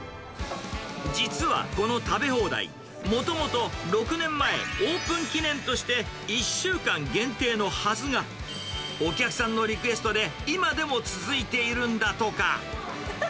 実はこの食べ放題、もともと６年前、オープン記念として１週間限定のはずが、お客さんのリクエストで今でも続いているんだとか。